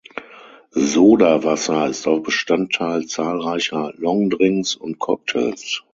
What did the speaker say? Sodawasser ist auch Bestandteil zahlreicher Longdrinks und Cocktails.